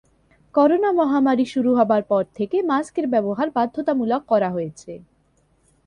Corona মহামারী শুরু হবার পর থেকে মাস্ক এর ব্যবহার বাধ্যতামূলক করা হয়েছে।